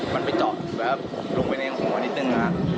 มันไปจอดแล้วลงไปในนี้หัวหนินิดนึง